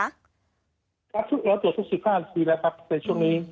แล้วตรวจทุก๑๕นาทีละปักในช่วงนี้